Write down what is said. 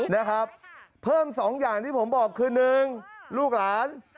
นะครับเพิ่มสองอย่างที่ผมบอกคือ๑ลูกหลาน